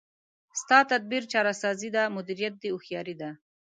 ستا تدبیر چاره سازي ده، مدیریت دی هوښیاري ده